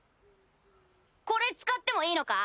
これ使ってもいいのか？